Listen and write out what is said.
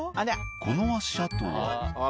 この足跡は」